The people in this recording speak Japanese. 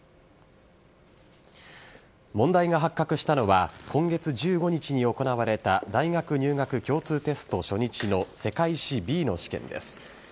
問題が発覚したのは、今月１５日に行われた大学入学共通テスト初日の世界史Ｂの試験です。